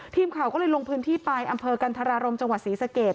ทีมข่าวก็เลยลงพื้นที่ไปอำเภอกันธรารมจังหวัดศรีสะเกด